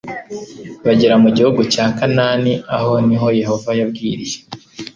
bagera mu gihugu cya Kanaani Aho ni ho Yehova yabwiriye